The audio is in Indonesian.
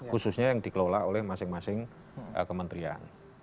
khususnya yang dikelola oleh masing masing kementerian